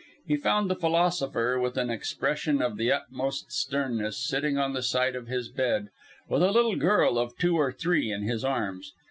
He found the philosopher, with an expression of the utmost sternness, sitting on the side of his bed, with a little girl of two or three in his arms.